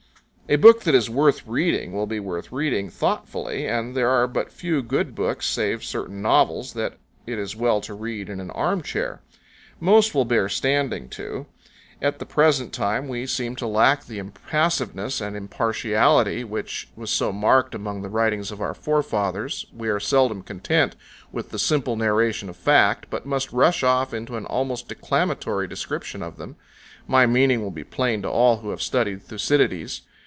A book that is worth reading will be worth reading thoughtfully, and there are but few good books, save certain novels, that it is well to read in an arm chair. Most will bear standing to. At the present time we seem to lack the impassiveness and impartiality which was so marked among the writings of our forefathers, we are seldom content with the simple narration of fact, but must rush off into an almost declamatory description of them; my meaning will be plain to all who have studied Thucydides.